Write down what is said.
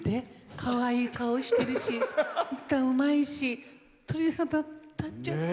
かわいい顔してるし歌、うまいし鳥肌立っちゃった。